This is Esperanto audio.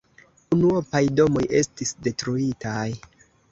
Unuopaj domoj estis detruitaj.